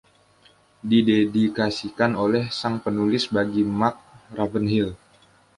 Didedikasikan oleh sang penulis bagi Mark Ravenhill.